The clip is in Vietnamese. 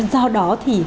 do đó thì